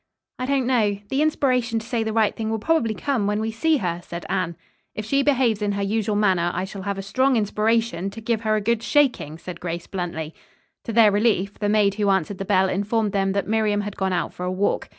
"I don't know, the inspiration to say the right thing will probably come, when we see her," said Anne. "If she behaves in her usual manner, I shall have a strong inspiration, to give her a good shaking," said Grace bluntly. To their relief, the maid who answered the bell informed them that Miriam had gone out for a walk.